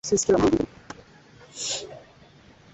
nchi nyingine za Afrika Mashariki